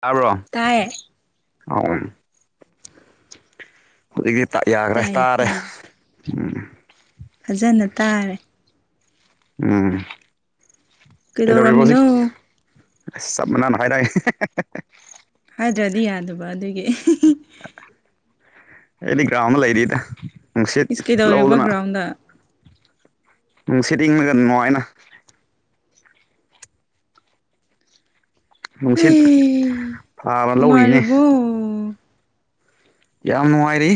ꯇꯔꯣ ꯇꯥꯏꯌꯦ ꯍ ꯍꯧꯖꯤꯤ ꯌꯥꯈ꯭ꯔꯦ ꯇꯥꯏ ꯇꯥꯔꯦ ꯇꯥꯏ ꯎꯝ ꯐꯖꯅ ꯇꯥꯔꯦ ꯎꯝ ꯀꯩꯗꯧꯔꯤꯕꯖꯤꯛ ꯀꯩꯗꯧꯔꯝꯃꯤꯅꯣ ꯁ ꯃꯍꯣꯏ ꯅꯣꯏ ꯍꯥꯏꯗ꯭ꯔꯗꯤ ꯌꯥꯗꯕ ꯑꯗꯨꯒꯤ ꯑꯦꯗꯤ ꯒ꯭ꯔꯥ ꯑꯃ ꯂꯩꯔꯤꯗ ꯅꯨꯡꯁꯤꯠ ꯏꯁ ꯀꯩꯗꯧꯔꯤꯕ ꯂꯧꯗꯨꯅ ꯒ꯭ꯔꯥꯎꯟꯗ ꯎꯅꯨꯡ ꯁꯦꯠ ꯌꯦꯡꯉꯒ ꯅꯨꯡꯉꯥꯏꯅ ꯅꯨꯡꯁꯤꯠ ꯑꯩ ꯐꯥꯕ ꯂꯧꯔꯤꯅꯦ ꯅꯨꯡꯉꯥꯏꯔꯤꯕꯣ ꯌꯥꯝ ꯅꯨꯡꯉꯥꯏꯔꯤ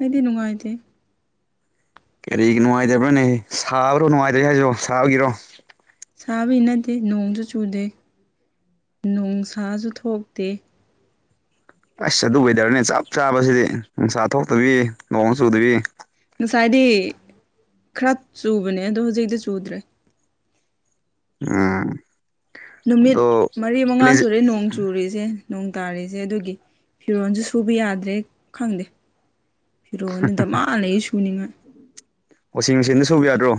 ꯑꯩꯗꯤ ꯅꯨꯡꯉꯥꯏꯇꯦ ꯀꯔꯤ ꯅꯨꯡꯉꯥꯏꯇꯕ꯭ꯔꯣꯅꯦ ꯁꯥꯕ꯭ꯔꯣ ꯅꯨꯡꯉꯥꯏꯇ꯭ꯔꯦ ꯍꯥꯏꯁ ꯁꯥꯕꯒꯤꯔꯣ ꯁꯥꯕꯗꯤ ꯅꯠꯇꯦ ꯅꯣꯡꯁꯨ ꯆꯨꯗꯦ ꯅꯣꯡ ꯁꯥꯁꯨ ꯊꯣꯛꯇꯦ ꯑꯁ ꯑꯗꯨ ꯑꯣꯏꯗꯔꯅꯦ ꯆꯞ ꯆꯥꯕꯁꯤꯗꯤ ꯅꯨꯡꯁꯥ ꯊꯣꯛꯇꯕꯤ ꯅꯣꯡ ꯆꯨꯗꯕꯤ ꯉꯁꯥꯏꯗꯤ ꯈꯔ ꯆꯨꯕꯅꯦ ꯑꯗꯣ ꯍꯧꯖꯤꯛꯇꯤ ꯆꯨꯗ꯭ꯔꯦ ꯑ ꯅꯨꯃꯤꯠ ꯃꯔꯤ ꯃꯉꯥ ꯁꯨꯔꯦ ꯅꯣꯡ ꯆ ꯆꯨꯔꯤꯁꯦ ꯅꯣꯡ ꯇꯥꯔꯤꯁꯦ ꯑꯗꯨꯒꯤ ꯐꯤꯔꯣꯜꯁꯨ ꯁꯨꯕ ꯌꯥꯗ꯭ꯔꯦ ꯈꯪꯗꯦ ꯐꯤꯔꯣꯑꯣꯅꯤꯗ ꯃꯥ ꯂꯩ ꯁꯨꯅꯤꯉꯥꯏ ꯋꯥꯁꯤꯡ ꯃꯦꯁꯤꯤꯟꯗ ꯁꯨꯕ ꯌꯥꯗ꯭ꯔꯣ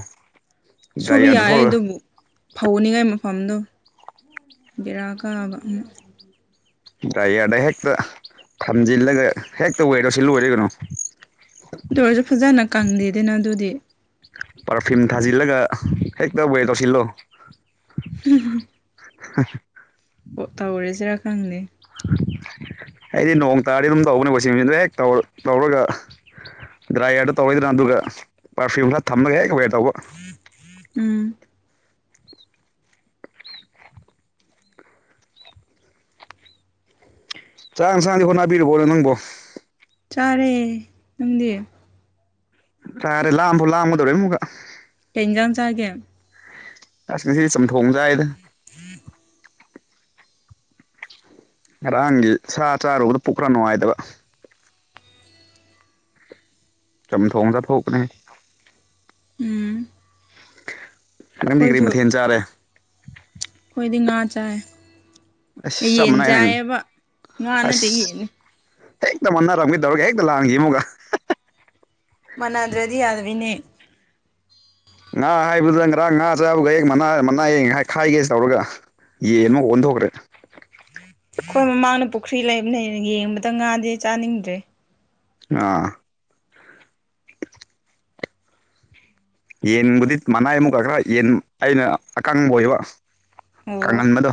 ꯁꯨꯕꯤ ꯗ꯭ꯔꯥꯏꯌꯔꯗ ꯌꯥꯌꯦ ꯊꯣꯛꯂꯒ ꯑꯗꯨꯕꯨ ꯐꯧꯅꯤꯉꯥꯏ ꯃꯐꯝꯗꯣ ꯕꯦꯔꯥ ꯀꯥꯕ ꯌꯥꯔꯗ ꯍꯦꯛꯇ ꯊꯝꯖꯤꯜꯂꯒ ꯍꯦꯛꯇ ꯑꯣꯏꯔꯣ ꯁꯤꯂꯣꯏꯔꯤꯕꯅꯣ ꯑꯗꯨ ꯑꯣꯏꯔꯁꯨ ꯐꯖꯅ ꯀꯪꯗꯦꯗꯅ ꯑꯗꯨꯗꯤ ꯄꯔꯐ꯭ꯌꯨꯝ ꯊꯥꯖꯤꯜꯂꯒ ꯍꯦꯛꯇ ꯋꯦ ꯇꯧꯁꯤꯜꯂꯣ ꯎꯝ ꯑ ꯑꯣ ꯇꯧꯔꯦꯁꯤꯔꯥꯈꯪꯗ ꯑꯩꯗꯤ ꯅꯣꯡ ꯇꯥꯔꯗꯤ ꯑꯗꯨꯝ ꯇꯧꯕꯅꯦꯀꯣ ꯁꯤ ꯃꯤꯗ ꯍꯦꯛꯧꯔ ꯇ ꯂꯧꯔꯒ ꯗ꯭ꯔꯥꯏꯌꯔꯗꯣ ꯇꯧꯔꯣꯏꯗꯅ ꯑꯗꯨꯒ ꯄꯔꯐ꯭ꯌꯨꯝ ꯈꯔ ꯊꯝꯃꯒ ꯍꯦꯛ ꯋꯦꯔ ꯇꯧꯕ ꯎꯝ ꯆꯥꯛꯥꯡ ꯁꯥꯡꯅ ꯍꯣꯠꯅꯕꯤꯔꯔꯕꯣꯅꯦ ꯅꯪꯕꯣ ꯆꯥꯔꯦ ꯅꯪꯗꯤ ꯆꯔꯦ ꯂꯥꯛꯑꯝꯕ ꯂꯥꯛꯑꯝꯕꯗꯧꯔ ꯃꯨꯒ ꯇꯦꯟꯖꯟ ꯆꯒꯦ ꯑꯁ ꯉꯁꯤꯗꯤ ꯆꯝꯊꯣꯡ ꯆꯥꯏꯗ [unintelligible] ꯉꯔꯥꯡꯒꯤ ꯁꯥ ꯆꯥꯔꯨꯕꯗ ꯄꯨꯛꯈꯔ ꯅꯨꯡꯉꯥꯏꯇꯕ ꯆꯝꯊꯣꯡꯗ ꯊꯣꯛꯀꯅꯦ ꯎꯝ ꯅꯪꯗꯤ ꯀꯔꯤ ꯃꯊꯦꯜ ꯆꯥꯔꯦ ꯑꯩꯈꯣꯏꯗꯤ ꯉꯥ ꯆꯥꯏ ꯑꯁ ꯆꯞ ꯌꯦꯟ ꯃꯥꯟꯅꯩ ꯅꯪ ꯆꯥꯏꯌꯦꯕ ꯉꯥ ꯅꯠꯇꯦ ꯑꯁ ꯌꯦꯟꯅꯤ ꯍꯦꯛꯇ ꯃꯥꯟꯅꯔꯝꯒꯦ ꯇꯧꯔꯒ ꯍꯦꯛꯇ ꯂꯥꯡꯈꯤꯕ ꯑꯃꯒ ꯃꯥꯟꯗ꯭ꯔꯗꯤ ꯌꯥꯗꯕꯤꯅꯦ ꯉꯥ ꯍꯥꯏꯕꯗ ꯉꯔꯥꯡ ꯉꯥ ꯆꯥꯕꯒ ꯍ ꯃꯅꯥ ꯃꯅꯥ ꯑꯌꯦꯛ ꯈꯥꯏꯒꯦꯁꯤ ꯇꯧꯔꯒ ꯌꯦ ꯃꯣ ꯑꯣꯟ ꯍꯣ꯭ꯔꯦ ꯑꯩꯈꯣꯏ ꯃꯃꯥꯡꯗ ꯄꯨꯈ꯭ꯔꯤ ꯂꯩꯕꯅꯦ ꯌꯦꯡꯕꯗ ꯉꯥꯗꯦ ꯆꯥꯅꯤꯡꯗ꯭ꯔꯦ ꯑꯥ ꯌꯦꯟꯕꯨꯗꯤ ꯃꯅꯥꯏ ꯑꯃꯨꯛ ꯈ ꯈꯔ ꯌꯦꯟ ꯑꯩꯅ ꯑꯀꯪꯕ ꯑꯣꯏꯌꯦꯕ ꯑꯣ ꯀꯪꯍꯟꯕꯗꯣ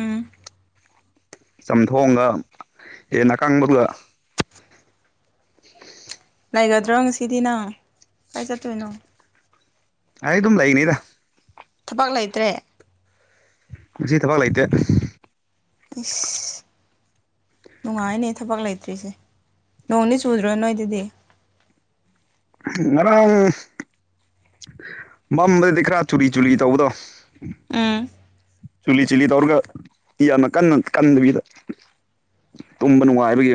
ꯎꯝ ꯆꯥꯝꯊꯣꯡꯑꯒ ꯍꯟꯅ ꯑꯅꯥꯀꯪꯕꯗꯨꯒ ꯎ ꯂꯩꯒꯗ꯭ꯔꯣ ꯉꯁꯤꯗꯤ ꯅꯪ ꯀꯥꯏ ꯆꯠꯇꯣꯏꯅꯣ ꯑꯩ ꯑꯗꯨꯝ ꯂꯩꯅꯤꯗ ꯊꯕꯛ ꯂꯩꯇ꯭ꯔꯦ ꯖꯖꯤ ꯇꯕꯂꯥꯏꯇꯦ ꯏꯁ ꯅꯨꯡꯉꯥꯏꯅꯦ ꯊꯕꯛ ꯂꯩꯇ꯭ꯔꯤꯁꯦ ꯅꯣꯡꯅꯤ ꯆꯨꯗ꯭ꯔꯣ ꯅꯣꯏꯗꯗꯤ ꯑꯔꯝ ꯃꯝꯗꯗꯤ ꯈꯔꯥ ꯆꯨꯔꯤ ꯆꯨꯔꯤ ꯇꯧꯕꯗꯣ ꯎ ꯆꯨꯂꯤ ꯆꯤꯂꯤ ꯇꯧꯔꯒ ꯏꯅ ꯀꯟꯅ ꯀꯟꯗꯕꯤꯗ ꯇꯨꯝꯕ ꯅꯨꯡꯉꯥꯏꯕꯒꯤ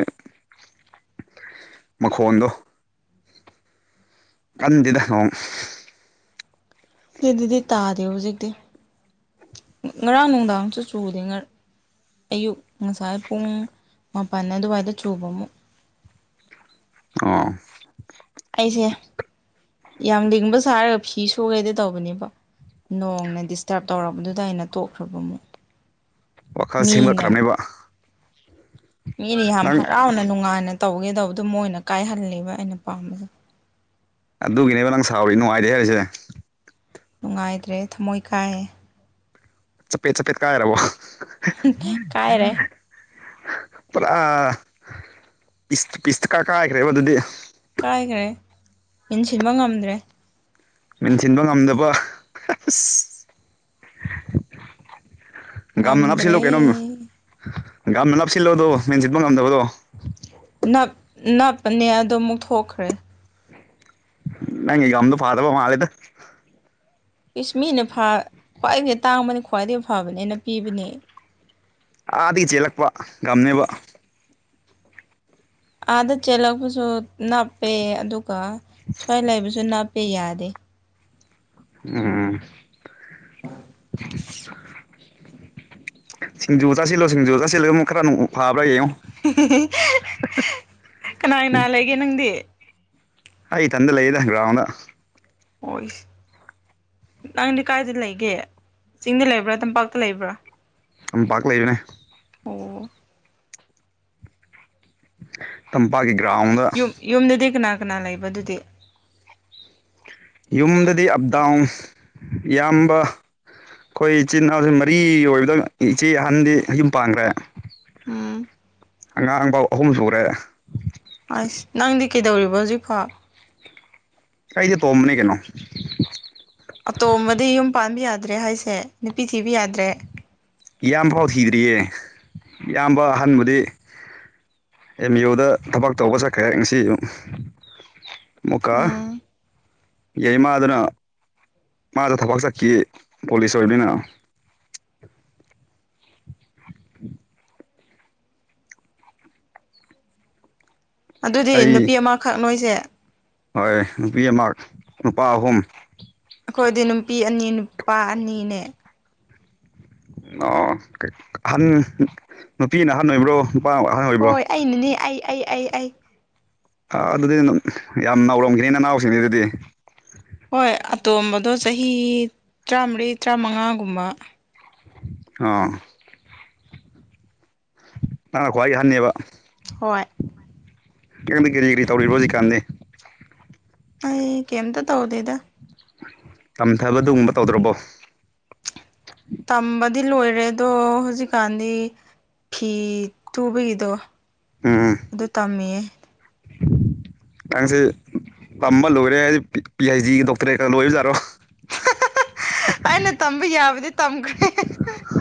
ꯃꯈꯣꯟꯗꯣ ꯀꯟꯗꯤꯗꯝ ꯁꯤ ꯑꯗꯨꯗꯤ ꯇꯥꯗꯦ ꯍꯧꯖꯤꯛꯇꯤ ꯉꯔꯥꯡ ꯅꯨꯡꯗꯥꯡꯁꯨ ꯆꯨꯗꯦ ꯉ ꯑꯌꯨꯛ ꯉꯁꯥꯏ ꯄꯨꯡ ꯃꯥꯄꯜ ꯑꯗꯨꯋꯥꯏꯗ ꯆꯨꯕ ꯑꯃꯨꯛ ꯑꯣ ꯑꯩꯁꯦ ꯌꯥꯝ ꯂꯤꯡꯕ ꯁꯥꯔꯒ ꯐꯤ ꯁꯨꯈꯗꯤ ꯇꯧꯕꯅꯦꯕ ꯅꯣꯡꯅ ꯗꯤꯁꯇꯔꯕ ꯇꯧꯛꯔꯕꯗꯨꯗ ꯑꯩꯅ ꯇꯣꯛꯈ꯭ꯔꯕꯃꯨꯛ ꯋꯥꯈꯜ ꯁꯦꯝꯒꯠꯈ꯭ꯔꯕꯅꯦꯕ ꯃꯤꯅ ꯌꯥꯝ ꯅꯪ ꯍꯔꯥꯎꯅ ꯅꯨꯡꯉꯥꯏꯅ ꯇꯧꯒꯦ ꯇꯧꯕꯗꯨ ꯃꯣꯏ ꯑꯣꯏꯅ ꯀꯥꯏꯍꯜꯂꯕ ꯑꯩꯅ ꯄꯥꯝꯕꯁꯦ ꯑꯗꯨꯒꯤꯅꯦꯕ ꯅꯪ ꯁꯥꯎꯔꯤ ꯅꯨꯡꯉꯥꯏꯇꯦ ꯍꯥꯏꯔꯤꯁꯦ ꯅꯨꯡꯉꯥꯏꯇ꯭ꯔꯦ ꯊꯃꯣꯏ ꯀꯥꯏꯑꯦ ꯆꯄꯦꯠ ꯆꯄꯦꯠ ꯀꯥꯏꯔꯔꯕꯣ ꯀꯥꯏ ꯔꯦ ꯄꯨꯔ ꯑ ꯄꯤꯁ ꯄꯤꯁꯇ ꯀꯥ ꯀꯥꯏꯈ꯭ꯔꯦꯕ ꯑꯗꯨꯗꯤ ꯀꯥꯏꯈ꯭ꯔꯦ ꯌꯦꯟꯁꯤꯟꯕ ꯉꯝꯗ꯭ꯔꯦ ꯃꯤꯦꯟꯁꯤꯤꯟꯕ ꯉꯝꯗꯕ ꯑ ꯒꯅ ꯅꯞꯁꯤꯜꯂꯣ ꯉꯝꯗ꯭ꯔꯦ ꯀꯩꯅꯣꯝ ꯒꯅ ꯅꯥꯞꯁꯤꯜꯂꯣꯗꯣ ꯃꯦꯟ ꯆꯠꯄ ꯉꯝꯗꯕꯗꯣ ꯅꯞ ꯅꯞꯄꯅꯦ ꯑꯗꯣ ꯑꯃꯨꯛ ꯊꯣꯛꯈ꯭ꯔꯦ ꯅꯪꯒꯝꯗ ꯐꯥꯗꯕ ꯃꯥꯦꯗ ꯏꯁꯁ ꯃꯤꯅ ꯈ꯭ꯋꯥꯏꯗꯒꯤ ꯇꯥꯡꯕꯅꯤ ꯈ꯭ꯋꯥꯏꯗꯒꯤ ꯐꯕꯅꯦꯅ ꯄꯤꯕꯅꯦ ꯑꯥꯗꯒꯤ ꯆꯦꯜꯂꯛꯄ ꯉꯒꯝꯅꯦꯕ ꯑꯥꯗ ꯆꯦꯜꯂꯛꯄꯁꯨ ꯅꯞꯄꯦ ꯑꯗꯨꯒ ꯁ꯭ꯋꯥꯏ ꯂꯩꯕꯁꯨ ꯅꯞꯄꯦ ꯌꯥꯗꯦ ꯎꯝ ꯁꯤꯡꯖꯨ ꯆ ꯁꯤꯜꯂꯣ ꯁꯤꯡꯖꯨꯗ ꯁꯤꯜꯂ ꯈꯔ ꯐꯥꯕ꯭ꯔꯒꯦ ꯀꯅꯥ ꯀꯅꯥ ꯂꯩꯒꯦ ꯅꯪꯗꯤ ꯑꯩ ꯏꯊꯟꯗ ꯂꯩꯌꯦꯗ ꯒ꯭ꯔꯥꯎꯟꯗ ꯍꯁ ꯅꯪꯗꯤ ꯀꯥꯏꯗ ꯂꯩꯒꯦ ꯆꯤꯡꯗ ꯂꯩꯕ꯭ꯔꯥ ꯇꯝꯄꯥꯛꯇ ꯂꯩꯕ꯭ꯔꯥ ꯂꯝꯝꯄꯥꯛꯥꯛ ꯂꯩꯕꯅꯦ ꯑꯣ ꯇꯝꯄꯥꯛꯀꯤ ꯒ꯭ꯔꯥꯎꯟꯗ ꯌꯨꯝ ꯌꯨꯝꯗꯗꯤ ꯀꯅꯥ ꯀꯅꯥ ꯂꯩꯕ ꯑꯗꯨꯗꯤ ꯌꯨꯝꯗꯗꯤ ꯑꯞ ꯗꯥꯎꯟ ꯌꯥꯝꯕ ꯑꯩꯈꯣꯏ ꯏꯆꯤꯜ ꯏꯅꯥꯎꯁ ꯃꯔꯤ ꯑꯣꯏꯕꯗ ꯏꯆꯦ ꯑꯍꯟꯗꯤ ꯌꯨꯝ ꯄꯥꯡꯈ꯭ꯔꯦ ꯎꯝ ꯑꯉꯥꯡ ꯄꯥꯎ ꯑꯍꯨꯝ ꯁꯨꯔꯦ ꯑꯁ ꯅꯪꯗꯤ ꯀꯩꯗꯧꯔꯤꯕ ꯍꯧꯖꯤꯛꯐꯥꯎ ꯀꯩꯗꯤꯦ ꯇꯣꯡꯝꯕꯅꯦ ꯀꯩꯅꯣ ꯑꯇꯣꯝꯕꯗꯤ ꯌꯨꯝ ꯄꯥꯟꯕ ꯌꯥꯗ꯭ꯔꯦ ꯍꯥꯏꯁꯦ ꯅꯨꯄꯤ ꯊꯤꯕ ꯌꯥꯗ꯭ꯔꯦ ꯏꯌꯥꯝꯕ ꯐꯥꯎ ꯊꯤꯗ꯭ꯔꯤꯌꯦ ꯏꯌꯥꯝꯕ ꯑꯍꯥꯟꯕꯗꯤ ꯑꯦꯝ ꯏ ꯌ ꯑꯣꯗ ꯊꯕꯛ ꯇꯧꯕ ꯆꯠꯈ꯭ꯔꯦ ꯉꯁꯤ ꯑꯨꯛ ꯃꯀꯥ ꯎꯝ ꯌꯥꯏ ꯃꯥꯗꯅ ꯃꯥꯗ ꯊꯕꯛ ꯆꯠꯈꯤ ꯄꯣꯂꯤꯁ ꯑꯣꯏꯕꯅꯤꯅ ꯑꯗꯨꯗꯤ ꯅꯨꯄꯤ ꯑꯩ ꯑꯃꯈꯛ ꯅꯣꯏꯁꯦ ꯍꯣꯏ ꯅꯨꯄꯤ ꯑꯃ ꯅꯨꯄꯥ ꯑꯍꯨꯝ ꯑꯩꯈꯣꯏꯗꯤ ꯅꯨꯄꯤ ꯑꯅꯤ ꯅꯨꯄꯥ ꯑꯅꯤꯅꯦ ꯑꯣ ꯑꯍꯟ ꯅꯨꯄꯤꯅ ꯑꯍꯟ ꯑꯣꯏꯕ꯭ꯔꯣ ꯅꯨꯄꯥ ꯑꯍꯟ ꯑꯣꯏꯕ꯭ꯔꯣ ꯍꯣꯏ ꯑꯩꯅꯅꯦ ꯑꯩ ꯑꯩ ꯑꯩ ꯑꯩ ꯑ ꯑꯗꯨꯗꯤ ꯌꯥꯝ ꯅꯧꯔꯝꯈꯤꯅꯤ ꯅꯅꯥꯎꯁꯤꯡꯗꯤ ꯑꯗꯨꯗꯤ ꯍꯣꯏ ꯑꯇꯣꯝꯕꯗꯣ ꯆꯍꯤ ꯇꯔꯥꯃꯔꯤ ꯇꯔꯥꯃꯉꯥꯒꯨꯝꯕ ꯑꯣ ꯅꯪꯅ ꯈ꯭ꯋꯥꯏ ꯑꯍꯟꯅꯦꯕꯥ ꯍꯣꯏ ꯅꯡꯗ ꯀꯦꯔꯤ ꯀꯦꯔꯤ ꯇꯧꯔꯤꯕ꯭ꯔꯣ ꯍꯧꯖꯤꯛ ꯀꯥꯟꯗꯤ ꯑꯩ ꯀꯩꯝ ꯇꯥ ꯇꯧꯗꯦꯗꯥ ꯇꯝꯊꯕ ꯑꯗꯨꯒꯨꯝꯕ ꯇꯧꯗ꯭ꯔꯕꯣ ꯇꯝꯕꯗꯤ ꯂꯣꯏꯔꯦ ꯑꯗꯣ ꯍꯧꯖꯤꯛꯀꯥꯟꯗꯤ ꯐꯤ ꯇꯨꯕꯒꯤꯗꯣ ꯎꯝ ꯑꯗꯨ ꯇꯝꯃꯤꯌꯦ [unintelligible] ꯅꯡꯁꯤ ꯇꯝꯕ ꯂꯣꯏꯔꯦ ꯑꯩꯗꯤ ꯄꯤ ꯍꯩꯁ ꯗꯤꯒꯤ ꯗꯣꯛꯇꯔꯦꯠꯀ ꯂꯣꯏꯕꯖꯥꯔꯣ ꯑꯩꯅ ꯇꯝꯕ ꯌꯥꯕꯗꯤ ꯇꯝꯈ꯭ꯔꯦ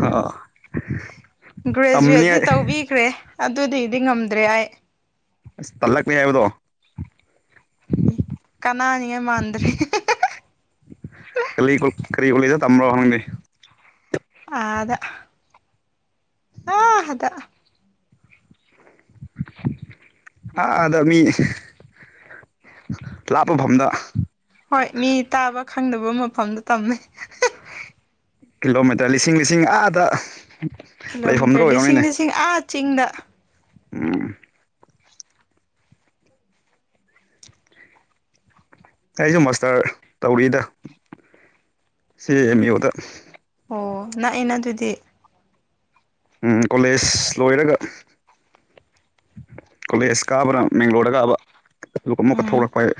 ꯑꯥ ꯒ꯭ꯔꯦꯖꯨꯋꯦꯠꯇꯤ ꯇꯧꯕꯤꯈ꯭ꯔꯦ ꯑꯗꯨꯗꯤꯗꯤ ꯉꯝꯗ꯭ꯔꯦ ꯑꯩ ꯑꯁ ꯇꯜꯂꯛꯂꯦ ꯍꯥꯏꯕꯗꯣ ꯀꯅꯥꯅꯤꯉ ꯃꯥꯟꯗ꯭ꯔꯦ ꯀꯔꯤ ꯀꯔꯤ ꯀꯣꯂꯦꯖ ꯇꯝꯕ꯭ꯔꯣ ꯅꯡꯗꯤ ꯑꯥꯗ ꯑꯥ ꯑꯗ ꯑꯥꯗ ꯃꯤ ꯂꯥꯞꯄ ꯃꯐꯝ ꯗꯥ ꯍꯣꯏ ꯃꯤ ꯇꯥꯕ ꯈꯪꯗꯕ ꯃꯐꯝꯗ ꯇꯝꯃꯦ ꯀꯤꯂꯣꯃꯤꯇꯔ ꯂꯤꯁꯤꯡ ꯂꯤꯁꯤꯡ ꯑꯥꯗ ꯂꯩꯐꯝꯗꯣ ꯀꯤꯂꯣꯃꯤꯇꯔ ꯂꯤꯁꯤꯡ ꯑꯣꯏꯔꯝꯅꯤꯅꯦ ꯂꯤꯁꯤꯡ ꯑꯥ ꯆꯤꯡꯗ ꯎꯝ ꯑꯩꯁꯨ ꯃꯥꯁꯇꯔ ꯇꯧꯔꯤꯗ ꯁꯤ ꯑꯦꯝ ꯌꯨꯗ ꯑꯣ ꯅꯛꯏꯅ ꯑꯗꯨꯗꯤ ꯎꯝ ꯀꯣꯂꯦꯖ ꯂꯣꯏꯔꯒ ꯀꯣꯂꯦꯖ ꯀꯥꯕꯅꯥ ꯕꯦꯡꯒ꯭ꯂꯣꯔꯗ ꯀꯥꯕ ꯑꯗꯨꯒ ꯑꯃꯨꯛꯀ ꯎꯝ ꯊꯣꯛꯂꯛꯄ ꯑꯩ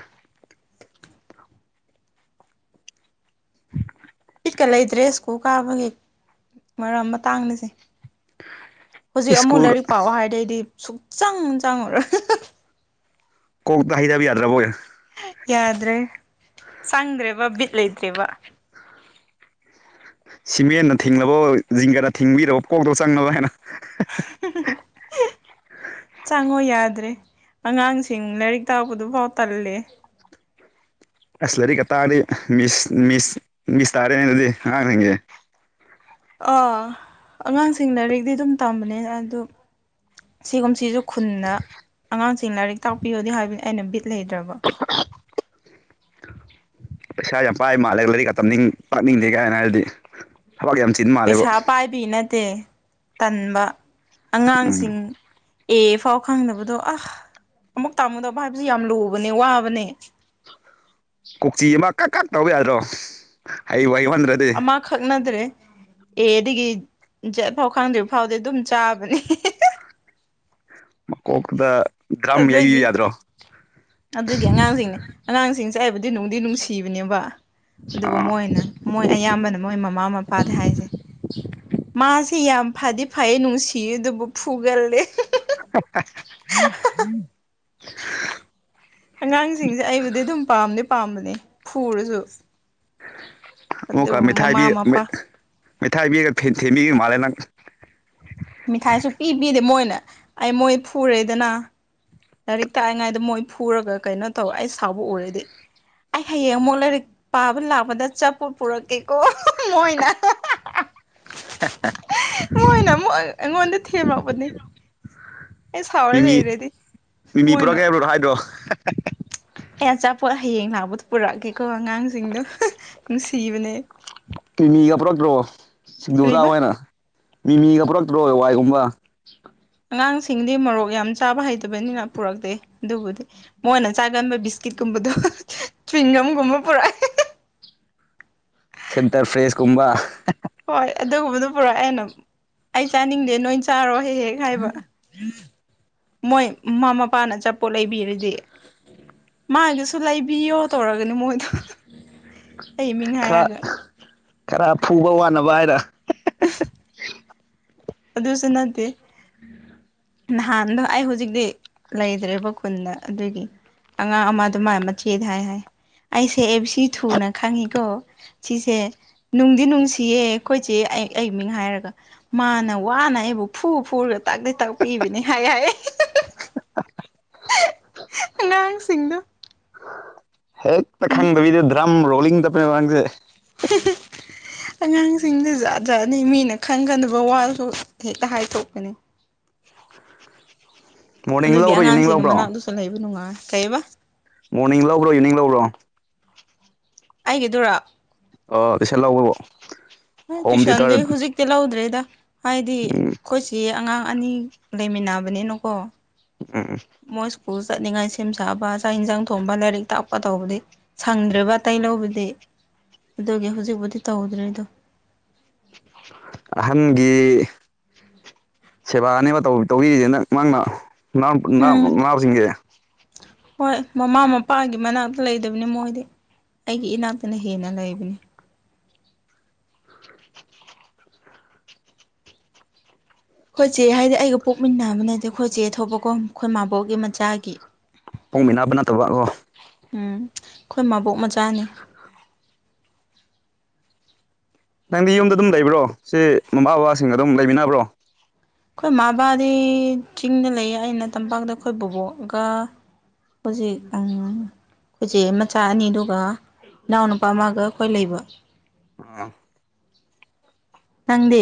ꯕꯤꯠꯀ ꯂꯩꯗ꯭ꯔꯦ ꯁ꯭ꯀꯨꯜ ꯀꯥꯕꯒꯤ ꯃꯔꯝ ꯃꯇꯥꯡꯁꯦ ꯍꯧꯖꯤꯛ ꯑꯃꯨꯛ ꯁ꯭ꯀꯨꯜ ꯂꯥꯏꯔꯤꯛ ꯄꯥꯎ ꯍꯥꯏꯗꯩꯗꯤ ꯁꯨꯛꯆꯪ ꯆꯪꯉꯨꯔꯣꯏ ꯀꯣꯛꯇꯥ ꯍꯩꯗꯕ ꯌꯥꯗꯔ꯭ꯕꯣ ꯌꯥꯗ꯭ꯔꯦ ꯆꯪꯗꯔ꯭ꯦ ꯕꯤꯠ ꯂꯩꯇꯔꯦꯕꯥ ꯁꯤꯃꯦꯟꯅ ꯊꯤꯡꯂꯅꯕ ꯖꯤꯡꯒꯗ ꯊꯤꯡꯕꯤꯔꯕ ꯀꯣꯛꯇꯣ ꯆꯪꯅꯕ ꯍꯥꯏꯅ [unintelligible] ꯆꯪꯉꯣ ꯌꯥꯗ꯭ꯔꯦ ꯑꯉꯥꯡꯁꯤꯡ ꯂꯥꯏꯔꯤꯛ ꯇꯥꯛꯄꯗꯨꯐꯥꯎ ꯇꯜꯂꯦ ꯑꯁ ꯂꯥꯏꯔꯤꯛ ꯀꯥ ꯇꯥꯛ ꯑꯗꯤ ꯃꯤꯁ ꯃꯤꯁ ꯇꯥꯔꯦꯅꯦ ꯑꯗꯨꯗꯤ ꯑꯉꯥꯡ ꯁꯤꯡꯒꯤ ꯑꯉꯥꯡꯁꯤꯡ ꯂꯥꯏꯔꯤꯛꯇꯤ ꯑꯗꯨꯝ ꯇꯝꯕꯅꯦ ꯑꯗꯨ ꯁꯤꯒꯨꯝ ꯁꯤꯁꯨ ꯈꯨꯟꯗ ꯑꯉꯥꯡꯁꯤꯡ ꯂꯥꯏꯔꯤꯛ ꯇꯥꯛꯄꯤꯌꯣꯗꯤ ꯍꯥꯏꯕꯅꯤ ꯑꯩꯅ ꯕꯤꯠ ꯂꯩꯇ꯭ꯔꯕ [unintelligible] ꯄꯩꯁꯥ ꯌꯥꯝ ꯄꯥꯏ ꯃꯥꯜꯂꯦ ꯂꯥꯏꯔꯤꯛꯀ ꯇꯝꯅꯤꯡ ꯇꯥꯛꯅꯤꯡꯗꯦ ꯀꯥꯏꯅ ꯍꯥꯏꯔꯗꯤ ꯊꯕꯛ ꯌꯥꯝ ꯆꯠ ꯄꯩꯁꯥ ꯄꯥꯏꯕꯤ ꯅꯠꯇꯦ ꯇꯟꯕ ꯎꯝ ꯑꯉꯥꯡꯁꯤꯡ ꯑꯦ ꯐꯥꯎ ꯈꯪꯗꯕꯗꯣ ꯑꯁ ꯑꯃꯨꯛ ꯇꯥꯃꯨꯗꯕ ꯍꯥꯏꯕꯁꯨ ꯌꯥꯝ ꯂꯨꯕꯅꯦ ꯋꯥꯕꯅꯦ ꯀꯣꯛꯆꯤ ꯑꯃ ꯀꯛ ꯀꯛ ꯇꯧ ꯌꯥꯗ꯭ꯔꯣ ꯍꯩꯕꯨ ꯍꯩꯃꯟꯗꯔꯗꯤ ꯑꯃ ꯈꯛꯅꯗ꯭ꯔꯦ ꯑꯦ ꯑꯗꯨꯗꯒꯤ ꯖꯠ ꯐꯥꯎ ꯈꯪꯗ꯭ꯔꯤꯕ ꯐꯥꯎꯗꯤ ꯑꯗꯨꯝ ꯆꯥꯕꯅꯤ ꯃꯀꯣꯛꯇ ꯗ꯭ꯔꯝ ꯑꯗꯨꯒꯤ ꯌꯩꯕꯤꯕ ꯌꯥꯗ꯭ꯔꯣ ꯑꯗꯨꯒꯤ ꯑꯉꯥꯡꯁꯤꯡꯅꯦ ꯑꯉꯥꯡꯁꯤꯡꯁꯦ ꯑꯩꯕꯨꯗꯤ ꯅꯨꯡꯗꯤ ꯅꯨꯡꯁꯤꯕꯅꯦꯕ ꯑꯗꯨꯕꯨ ꯑꯥ ꯃꯣꯏꯅ ꯃꯣꯏ ꯑꯌꯥꯝꯕꯅ ꯃꯣꯏ ꯃꯃꯥ ꯃꯄꯥꯗ ꯍꯥꯏꯁꯦ ꯃꯥꯁꯤ ꯌꯥꯝ ꯐꯗꯤ ꯐꯩ ꯅꯨꯡꯁꯤꯌ‌ꯦ ꯑꯗꯨꯕꯨ ꯐꯨꯒꯜꯂꯦ ꯎꯝ [unintelligible] ꯑꯉꯥꯡꯁꯤꯡꯁꯦ ꯑꯩꯕꯨꯗꯤ ꯑꯗꯨꯝ ꯄꯥꯝꯗꯤ ꯄꯥꯝꯕꯅꯦ ꯐꯨꯔꯁꯨ ꯑꯃꯨꯛꯀ ꯑꯗꯨꯕꯨ ꯃꯩꯊꯥꯏ ꯃꯃꯥ ꯃꯄꯥ ꯃꯩꯊꯥꯏꯄꯤꯔꯒ ꯊꯦꯝꯕꯤꯕ ꯃꯥꯜꯂꯦ ꯅꯪ ꯃꯤꯈꯥꯏꯁꯨ ꯄꯤꯕꯤꯗꯦ ꯃꯣꯏꯅ ꯑꯩ ꯃꯣꯏ ꯐꯨꯔꯦꯗꯅ ꯂꯥꯏꯔꯤꯛ ꯇꯥꯛꯏꯉꯥꯏꯗ ꯃꯣꯏ ꯐꯨꯔꯒ ꯀꯩꯅꯣ ꯇꯧꯋ ꯑꯩ ꯁꯥꯎꯕ ꯎꯔꯗꯤ ꯑꯩ ꯍꯌꯦꯡ ꯑꯃꯨꯛ ꯂꯥꯏꯔꯤꯛ ꯄꯥꯕ ꯂꯥꯛꯄꯗ ꯑꯆꯄꫭꯠ ꯄꯨꯔꯛꯀꯦꯀꯣ ꯃꯣꯏꯅ ꯑ [unintelligible] ꯃꫭꯏꯅ ꯑꯃꯨꯛ ꯑꯩꯉꯣꯟꯗ ꯊꯦꯝꯃꯛꯄꯅꯦ ꯑꯩ ꯁꯥꯎꯔꯦ ꯂꯩꯔꯗꯤ ꯃꯣꯏꯅꯣ ꯇꯥꯏꯗꯣ [unintelligible] [unintelligible] ꯑꯩ ꯑꯆꯥꯄꯣꯠ ꯍꯌꯦꯡ ꯂꯥꯛꯕꯗꯣ ꯄꯨꯔꯛꯑꯒꯦꯀꯣ ꯑꯉꯥꯡꯁꯤꯡꯗꯣ ꯅꯨꯡꯁꯤꯕꯅꯦ ꯃꯤꯃꯤꯒ ꯄꯨꯔꯛꯇ꯭ꯔꯣ ꯁꯤꯡꯖꯨ ꯆꯥꯎ ꯀꯔꯤꯕ ꯍꯥꯏꯅ ꯃꯤꯃꯤꯒ ꯄꯨꯔꯛꯇ꯭ꯔꯣ ꯋꯥꯏꯒꯨꯝꯕ [unintelligible] ꯑꯉꯥꯡꯁꯤꯡꯗꯤ ꯃꯣꯔꯣꯛ ꯌꯥꯝ ꯆꯥꯕ ꯍꯩꯇꯕꯅꯤꯅ ꯄꯨꯔꯛꯇꯦ ꯑꯗꯨꯕꯨꯗꯤ ꯃꯣꯏꯅ ꯆꯥꯒꯟꯕ ꯕꯤꯁꯀꯤꯠꯀꯨꯝꯕꯗꯣ ꯆ꯭ꯋꯤꯡꯒꯝꯒꯨꯝꯕ ꯄꯨꯔꯛꯑ ꯁꯦꯟꯇꯔ ꯐ꯭ꯔꯦꯁ ꯀꯨꯝꯕ ꯍꯣꯏ ꯑꯗꯨꯒꯨꯝꯕꯗꯣ ꯄꯨꯔꯛ ꯑꯩꯅ ꯑꯩ ꯆꯥꯅꯤꯡꯗꯦ ꯅꯣꯏ ꯆꯥꯔꯣ ꯍꯦꯛ ꯍꯦꯛ ꯍꯥꯏꯕ ꯃꯣꯏ ꯃꯃꯥ ꯃꯄꯥꯅ ꯑꯆꯥꯄꯣꯠ ꯂꯩꯕꯤꯌ‌‌ꯦ ꯍꯥꯏꯔꯗꯤ ꯃꯥꯒꯤꯁꯨ ꯂꯩꯕꯤꯌꯣ ꯇꯧꯔꯒꯅꯦ ꯃꯣꯏꯗꯣ ꯑꯩ ꯃꯤꯡ ꯈꯔ ꯍꯥꯏꯔꯒ ꯈꯔ ꯐꯨꯕ ꯋꯥꯅꯕ ꯍꯥꯏꯔ ꯎ [unintelligible] ꯑꯗꯨꯁ ꯅꯠꯇꯦ ꯎꯝ [unintelligible] ꯅꯍꯥꯟꯗꯣ ꯑꯩ ꯍꯧꯖꯤꯛꯇꯤ ꯂꯩꯗ꯭ꯔꯦꯕ ꯈꯨꯟꯗ ꯑꯗꯨꯒꯤ ꯑꯉꯥꯡ ꯑꯃꯗ ꯃꯥꯏ ꯃꯆꯦꯗ ꯍꯥꯏ ꯍꯥꯏ ꯑꯩꯁꯦ ꯑꯦ ꯕꯤ ꯊꯨꯅ ꯈꯪꯉꯤꯀꯣ ꯁꯤꯁꯦ ꯅꯨꯡꯗꯤ ꯅꯨꯡꯁꯤꯌꯦ ꯑꯩꯈꯣꯏꯆ‌ꯦ ꯑꯩ ꯑꯩ ꯃꯤꯡ ꯍꯥꯏꯔꯒ ꯃꯥꯅ ꯋꯥꯅ ꯑꯩꯕꯨ ꯐꯨ ꯐꯨꯔꯒ ꯇꯥꯛꯗꯤ ꯇꯥꯛꯄꯤꯕꯅꯤ ꯍꯥꯏ ꯍꯥꯏ [unintelligible] ꯑꯉꯥꯡꯁꯤꯡꯗꯨ ꯍꯦꯛꯛꯇ ꯈꯪꯗꯕꯤꯗ ꯗ꯭ꯔꯝ ꯔꯣꯂꯤꯡ ꯇꯦꯁꯦ [unintelligible] [unintelligible] ꯑꯉꯥꯡꯁꯤꯡꯁ‌ꯦ ꯖꯥꯠ ꯖꯥꯠꯅꯤ ꯃꯤꯅ ꯈꯟꯒꯗꯕ ꯋꯥꯁꯨ ꯍꯦꯛꯇ ꯍꯥꯏꯊꯣꯛꯄꯤꯅꯤ ꯃꯣꯔꯅꯤꯡ ꯑꯗꯨꯒꯤ ꯂꯧꯕ꯭ꯔꯣ ꯏꯚꯤꯅꯤꯡ ꯑꯉꯥꯡꯁꯤꯡ ꯂꯧꯕ꯭ꯔꯣ ꯃꯅꯥꯛꯇꯁꯨ ꯂꯩꯕ ꯅꯨꯡꯉꯥꯏ ꯀꯩꯏꯕ ꯃꯣꯔꯅꯤꯡ ꯂꯧꯕ꯭ꯔꯣ ꯏꯚꯤꯅꯤꯡ ꯂꯧꯕ꯭ꯔꯣ ꯑꯩꯒꯤꯗꯨꯔꯥ ꯑ ꯏꯁꯟꯍꯧꯕꯔꫭ ꯇ꯭ꯨꯏꯁꯟꯗꯤ ꯍꯧꯖꯤꯛꯇꯤ ꯂꯧꯗ꯭ꯔꯦꯗ ꯍꯥꯏꯗꯤ ꯎꯝ ꯑꯩꯈꯣꯏꯁꯤ ꯑꯉꯥꯡ ꯑꯅꯤ ꯂꯩꯃꯤꯟꯅꯕꯅꯤꯅꯀꯣ ꯎꯝ ꯎꯝ ꯃꯣꯏ ꯁ꯭ꯀꯨꯜ ꯆꯠꯅꯤꯡꯉꯥꯏ ꯁꯦꯝ ꯁꯥꯕ ꯆꯥꯛ ꯏꯟꯖꯥꯡ ꯊꯣꯡꯕ ꯂꯥꯏꯔꯤꯛ ꯇꯥꯛꯄ ꯇꯧꯕꯗꯤ ꯁꯪꯗ꯭ꯔꯦꯕ ꯑꯇꯩ ꯂꯧꯕꯗꯤ ꯑꯗꯨꯒꯤ ꯍꯧꯖꯤꯛꯕꯨꯨꯗꯤ ꯇꯧꯗ꯭ꯔꯦꯗꯣ ꯑꯍꯟꯒꯤ ꯁꯦꯕꯥꯅꯦꯕ ꯇꯧꯕꯤꯔꯤꯁꯦ ꯅꯪꯅ ꯅꯪ ꯅꯪ ꯎꯝ ꯅꯅꯥꯥꯎꯁꯤꯡꯒꯤ ꯍꯣꯏ ꯃꯃꯥ ꯃꯄꯥꯒꯤ ꯃꯅꯥꯛꯇ ꯂꯩꯗꯕꯅꯤ ꯃꯣꯏꯗꯤ ꯑꯩꯒꯤ ꯏꯅꯥꯛꯇꯅ ꯍꯦꯟꯅ ꯂꯩꯕꯅꯤ [inaudible] ꯑꯩꯈꯣꯏꯆꯦ ꯍꯥꯏꯗꯤ ꯑꯩꯒ ꯄꯣꯛꯃꯤꯟꯅꯕꯅꯠꯇ‌ꯦ ꯑꯩꯈꯣꯏ ꯆꯦ ꯊꯣꯛꯄꯀꯣ ꯑꯩꯈꯣꯏ ꯃꯥꯕꯣꯛꯒꯤ ꯃꯆꯥꯒꯤ ꯄꫭꯛꯃꯤꯟꯅꯕ ꯅꯠꯇꯕ ꯑꫭ ꯎꯝ ꯑꯩꯈꯣꯏ ꯃꯕꯣꯛ ꯃꯆꯥꯅꯤ ꯅꯪꯗꯤ ꯌꯨꯝꯗ ꯑꯗꯨꯝ ꯂꯩꯕ꯭ꯔꯣ ꯁꯤ ꯃꯃꯥ ꯕꯕꯥꯁꯤꯡꯒ ꯑꯗꯨꯝ ꯂꯩꯃꯤꯟꯅꯕ꯭ꯔꯣ ꯑꯩꯈꯣꯏ ꯃꯥꯕꯥꯗꯤ ꯆꯤꯡꯗ ꯂꯩꯌꯦ ꯑꯩꯅ ꯇꯝꯄꯥꯛꯇ ꯑꯩꯈꯣꯏ ꯕꯣꯕꯣꯛꯒ ꯍꯧꯖꯤꯛ ꯑ ꯑꯩꯈꯣꯏꯁꯦ ꯃꯆꯥ ꯑꯅꯤꯗꯨ ꯏꯅꯥꯎꯅꯨꯄꯥ ꯑꯃꯒ ꯑꯩꯈꯣꯏ ꯂꯩꯕ ꯑꯥ ꯅꯪꯗꯤ